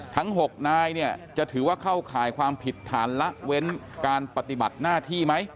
ทั้ง๖นายเนี่ยจะถือว่าเข้าข่ายความผิดฐานละเว้นการปฏิบัติหน้าที่ไหม